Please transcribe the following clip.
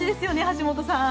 橋本さん。